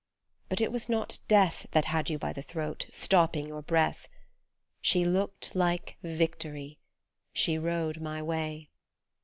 But it was not death That had you by the throat, stopping your breath. She looked like Victory. She rode my way.